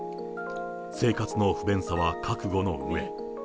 生活の不便さは覚悟の上。